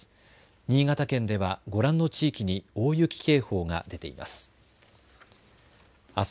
新潟県ではご覧の地域に大雪警報が出ています。